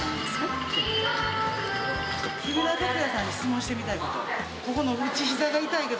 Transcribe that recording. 木村拓哉さんに質問してみたいこと。